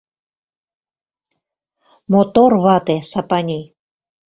Мотор вате Сапани...